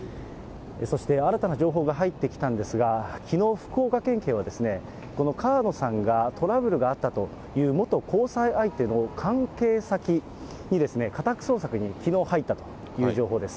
そして新たな情報が入ってきたんですが、きのう、福岡県警は、この川野さんがトラブルがあったという元交際相手の関係先に、家宅捜索にきのう、入ったという情報です。